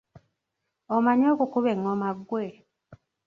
Omanyi okukuba engoma gwe?